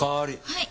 はい。